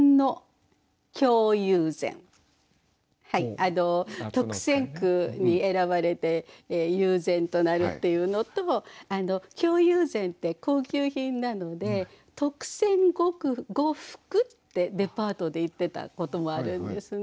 あの特選句に選ばれて悠然となるっていうのと京友禅って高級品なので特選呉服ってデパートで言ってたこともあるんですね。